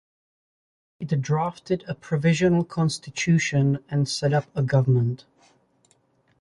It drafted a provisional constitution and set up a government.